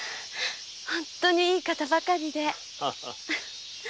本当にいい方ばかりで。